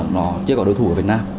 nó chưa có đối thủ ở việt nam